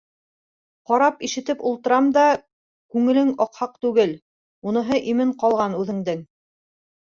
— Ҡарап, ишетеп ултырам да, күңелең аҡһаҡ түгел, уныһы имен ҡалған үҙеңдең.